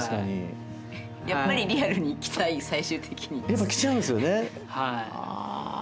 やっぱ来ちゃうんですよね。